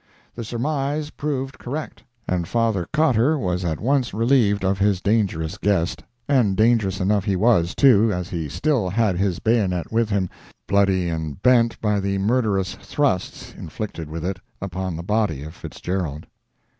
The surmise proved correct, and Father Cotter was at once relieved of his dangerous guest—and dangerous enough he was, too, as he still had his bayonet with him, bloody and bent by the murderous thrusts inflicted with it upon the body of Fitzgerald.